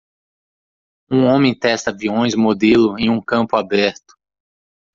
Um homem testa aviões modelo em um campo aberto.